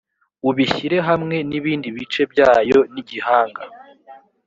ubishyire hamwe n ibindi bice byayo n igihanga